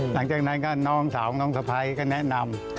หลังจากนั้นก็น้องสาวของน้องสะพ้ายก็แนะนำ